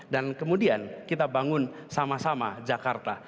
dan kemudian kita bangun sama sama jakarta